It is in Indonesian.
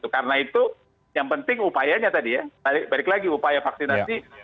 karena itu yang penting upayanya tadi ya balik lagi upaya vaksinasi